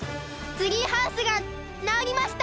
ツリーハウスがなおりました！